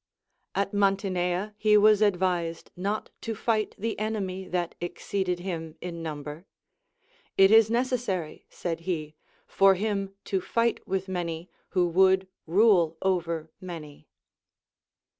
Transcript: At jNlantinea he was advised not to fight the enemy that exceeded him in number. It is necessary, said he, for him to fight with many, Λνΐιο would rule over many.